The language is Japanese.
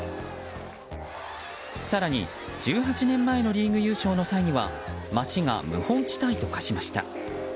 更に、１８年前のリーグ優勝の際には街が無法地帯と化しました。